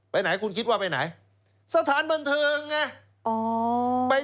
ไปไหนคุณคิดว่าไปไหนสถานบันเทิงไง